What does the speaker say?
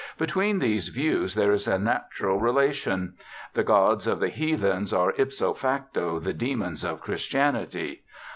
Between these views there is a natural relation; the gods of the heathens are ipso facto the demons of Christianity.